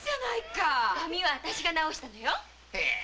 髪は私が直したのよ。